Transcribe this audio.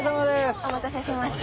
お待たせしました。